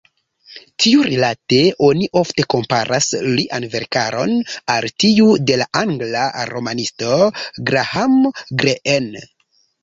Tiurilate oni ofte komparas lian verkaron al tiu de la angla romanisto Graham Greene.